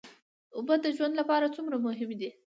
اوبه د ژوند لپاره څومره مهمې دي